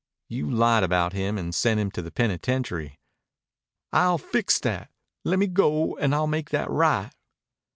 "You lied about him and sent him to the penitentiary." "I'll fix that. Lemme go an' I'll make that right."